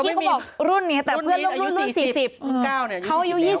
ตอนนี้มันไม่มีเพื่อนร่วมรุ่นเลยหรอ